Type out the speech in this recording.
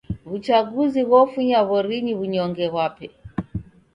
W'uchaguzi ghofunya w'orinyi w'unyonge ghwape.